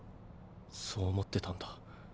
そう思ってたんだ。